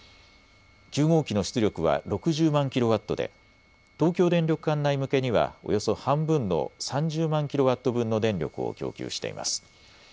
９号機の出力は６０万キロワットで東京電力管内向けにはおよそ半分の３０万キロワット分の電力を供給しています。